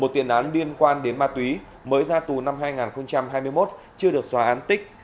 một tiền án liên quan đến ma túy mới ra tù năm hai nghìn hai mươi một chưa được xóa án tích